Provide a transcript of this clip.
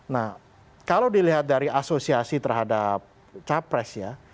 nah kalau dilihat dari asosiasi terhadap capres ya